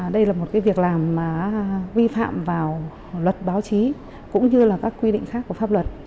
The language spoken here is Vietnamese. đây là một cái việc làm mà vi phạm vào luật báo chí cũng như là các quy định khác của pháp luật